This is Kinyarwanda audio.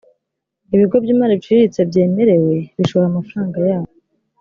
ibigo by’imari biciriritse byemerewe bishobora amafaranga yabo